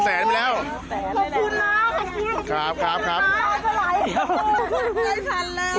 แล้วแล้วขอบคุณ